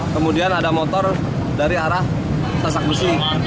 kemudian ada motor dari arah tasak nusi